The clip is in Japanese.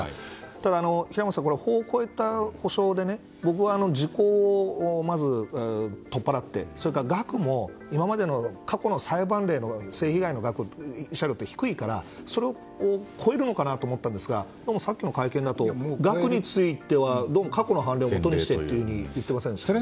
ただ、平松さん法を超えた補償でまずは時効を取っ払って額も今までの過去の裁判例の性被害の慰謝料って低いからそれを超えるのかなと思ったんですがどうもさっきの会見だと額については過去の判例をもとにすると言ってましたよね。